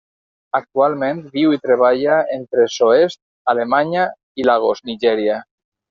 Actualment, viu i treballa entre Soest, Alemanya, i Lagos, Nigèria.